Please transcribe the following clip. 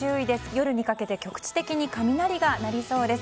夜にかけて局地的に雷が鳴りそうです。